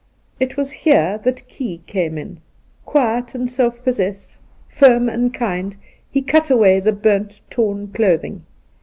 It was here that Key came ia. Quiet and self possessed, firm and kind, he cut away the burnt, torn clothing.